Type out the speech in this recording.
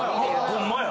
ホンマや！